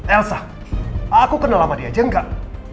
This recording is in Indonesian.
elsa aku kenal sama dia aja enggak